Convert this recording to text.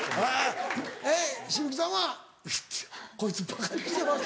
えっ紫吹さんはこいつばかにしてます。